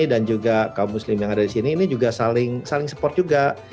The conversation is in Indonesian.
dan juga kaum muslim yang ada di sini ini juga saling support juga